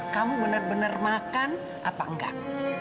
kamu benar benar makan apa enggak